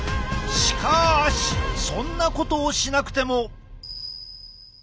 しかしそんなことをしなくても。